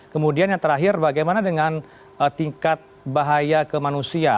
kemudian yang terakhir bagaimana dengan tingkat bahaya ke manusia